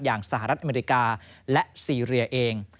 สหรัฐอเมริกาและซีเรียเอง